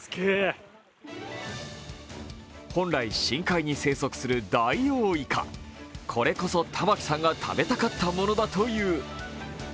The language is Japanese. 本来、深海に生息するダイオウイカこれこそ玉木さんが食べたかったものだという。